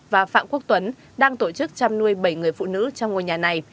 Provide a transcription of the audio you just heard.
và phạm quốc tuấn đang tổ chức chăm nuôi bảy người phụ nữ trong ngôi nhà này